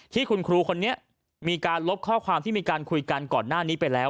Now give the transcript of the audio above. ที่คุณครูคนนี้มีการลบข้อความที่มีการคุยกันก่อนหน้านี้ไปแล้ว